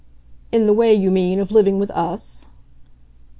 "In the way, you mean, of living with US?"